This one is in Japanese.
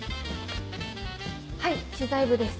はい知財部です。